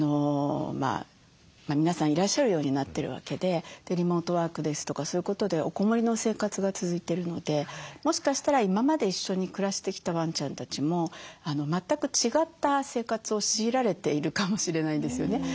皆さんいらっしゃるようになってるわけでリモートワークですとかそういうことでおこもりの生活が続いてるのでもしかしたら今まで一緒に暮らしてきたワンちゃんたちも全く違った生活を強いられているかもしれないですよね。